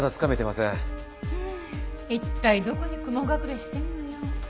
うーん一体どこに雲隠れしてんのよ。